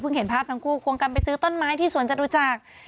เห็นภาพทั้งคู่ควงกันไปซื้อต้นไม้ที่สวนจตุจักร